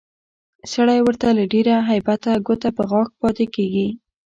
سړی ورته له ډېره هیبته ګوته په غاښ پاتې کېږي